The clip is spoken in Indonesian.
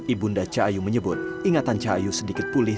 ibu unda cahayu menyebut ingatan cahayu sedikit pulih